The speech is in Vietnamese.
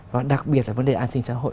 và đặc biệt là vấn đề an sinh xã hội